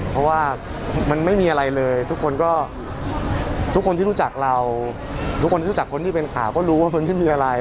เพราะว่ามันไม่มีอะไรเลยทุกคนก็ทุกคนที่รู้จักเราทุกคนที่รู้จักคนที่เป็นข่าวก็รู้ว่าพื้นที่มีอะไร